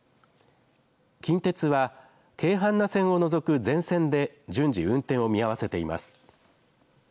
近鉄はけいはんな線を除く全線で順次運転を見合わせています。